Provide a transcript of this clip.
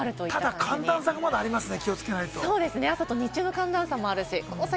ただ寒暖差ありますね。